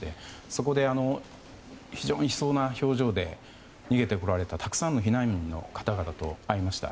そこで、非常に悲壮な表情で逃げてこられたたくさんの避難民の方々と会いました。